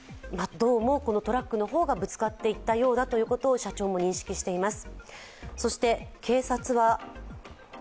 どうもトラックの方がぶつかっていったようだということを社長も認識しています。